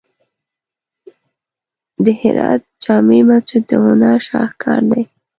د هرات جامع مسجد د هنر شاهکار دی.